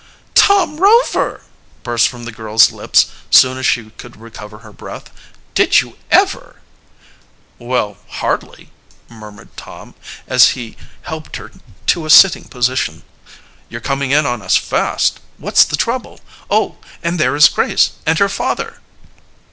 "Tom Rover!" burst from the girl's lips soon as she could recover her breath. "Did you ever!" "Well, hardly!" murmured Tom, as he helped her to, a sitting position. "You're coming in on us fast. What's the trouble? Oh, and there is Grace and your father!"